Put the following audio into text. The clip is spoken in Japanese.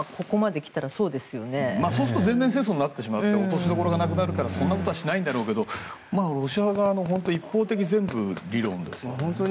そうすると全面戦争になって落としどころがなくなるからそんなことはしないんだろうけどロシア側の一方的な理論だよね。